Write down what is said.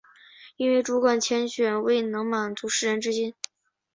因为主管铨选未能满足士人之心。